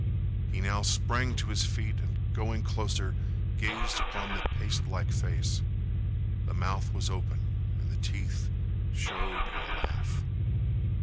He now sprang to his feet and, going closer, gazed upon the pastelike face. The mouth was open and the teeth showed in a laugh.